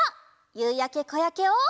「ゆうやけこやけ」を。